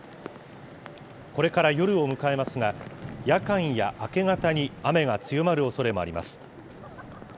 これから夜を迎えますが、夜間や明け方に雨が強まるおそれもあります。